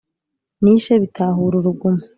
nishe Bitahura uruguma